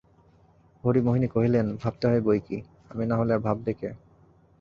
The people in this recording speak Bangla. হরিমোহিনী কহিলেন, ভাবতে হয় বৈকি, আমি না হলে আর ভাববে কে?